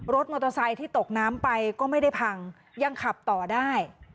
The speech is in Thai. รถมอเตอร์ไซค์ที่ตกน้ำไปก็ไม่ได้พังยังขับต่อได้